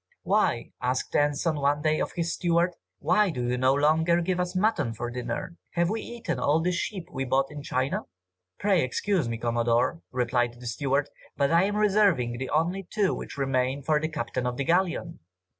"Why," asked Anson one day of his steward, "why do you no longer give us mutton for dinner? Have we eaten all the sheep we bought in China?" "Pray excuse me, Commodore," replied the steward, "but I am reserving the only two which remain for the Captain of the galleon."